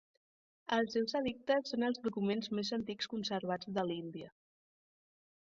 Els seus edictes són els documents més antics conservats de l'Índia.